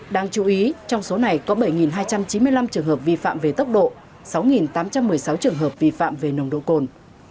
đáng chú ý trong số này có bảy hai trăm chín mươi năm trường hợp vi phạm về tốc độ sáu tám trăm một mươi sáu trường hợp vi phạm về nồng độ cồn